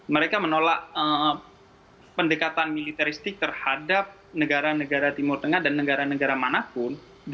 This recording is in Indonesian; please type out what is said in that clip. mereka menolak pendekatan militeristik terhadap negara negara timur tengah dan negara negara manapun